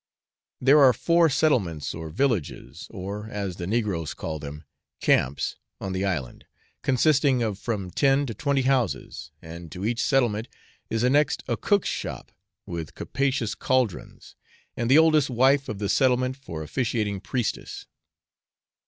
There are four settlements or villages (or, as the negroes call them, camps) on the island, consisting of from ten to twenty houses, and to each settlement is annexed a cook's shop with capacious cauldrons, and the oldest wife of the settlement for officiating priestess.